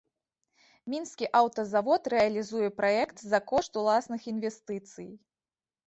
Мінскі аўтазавод рэалізуе праект за кошт уласных інвестыцый.